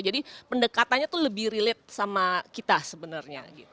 jadi pendekatannya tuh lebih relate sama kita sebenarnya gitu